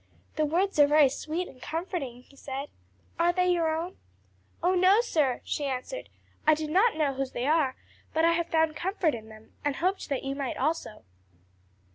"The words are very sweet and comforting," he said. "Are they your own?" "Oh no, sir!" she answered. "I do not know whose they are, but I have found comfort in them, and hoped that you might also."